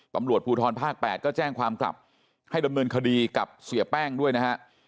ตำรวจภูทรภาค๘ก็แจ้งความกลับให้ดำเนินคดีกับเสียแป้งด้วยนะฮะ